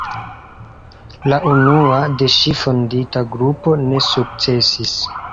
La unua de ŝi fondita grupo ne sukcesis.